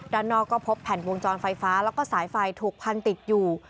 ด้านนอกก็พบแผ่นวงจรไฟฟ้าแล้วก็สายไฟถูกพันติดอยู่